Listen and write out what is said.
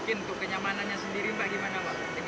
mungkin untuk kenyamanannya sendiri bagaimana pak